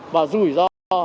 và rủi ro